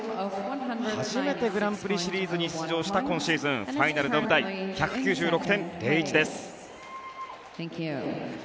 初めてグランプリシリーズに出場した今シーズンファイナルの舞台１９６．０１です。